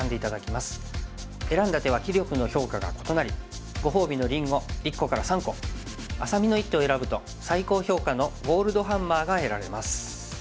選んだ手は棋力の評価が異なりご褒美のりんご１個から３個愛咲美の一手を選ぶと最高評価のゴールドハンマーが得られます。